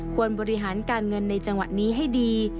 ควรบริหารการเงินในจังหวะนี้ให้ดี